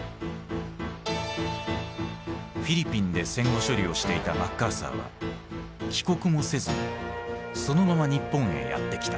フィリピンで戦後処理をしていたマッカーサーは帰国もせずそのまま日本へやって来た。